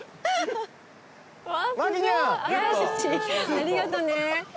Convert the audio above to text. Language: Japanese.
ありがとね。